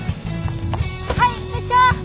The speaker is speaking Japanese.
はい部長！